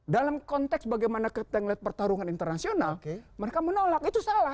dalam konteks bagaimana kita melihat pertarungan internasional mereka menolak itu salah